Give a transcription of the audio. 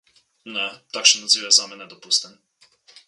Ne, takšen odziv je zame nedopusten.